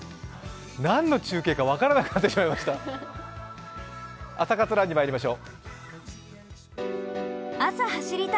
何の中継か分からなくなってしまいました。